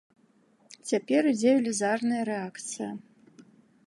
Цяпер ідзе велізарная рэакцыя.